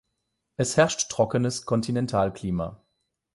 Es herrscht trockenes Kontinentalklima.